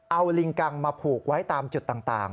เอาลิงกังมาผูกไว้ตามจุดต่าง